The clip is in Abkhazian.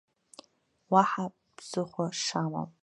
Уаҳа ԥсыхәа шамам.